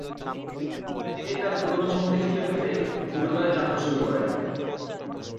তিনি তার পুরনো ছন্দে ফিরে পেতে ধীরলয়ে যাত্রা শুরু করেন।